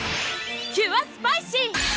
キュアスパイシー！